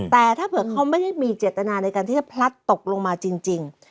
แต่ถ้าเผื่อเขาไม่ได้มีเจตนาในการที่จะพลัดตกลงมาจริง